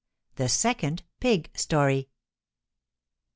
THE SECOND PIG STORY MR.